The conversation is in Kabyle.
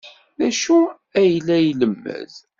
D acu ay la ilemmed?